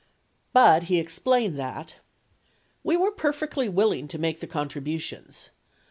But he explained that : We were perfectly willing to make the contributions.